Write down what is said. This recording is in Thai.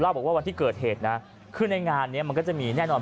บอกว่าวันที่เกิดเหตุนะคือในงานนี้มันก็จะมีแน่นอน